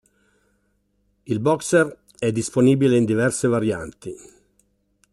Il Boxer è disponibile in diverse varianti